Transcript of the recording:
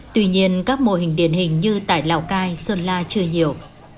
tuy nhiên các mô hình điển hình như tại lào cai sơn la chưa nhiều